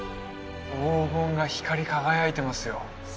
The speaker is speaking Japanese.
黄金が光り輝いてますよ